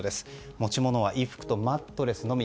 持ち物は衣服とマットレスのみ。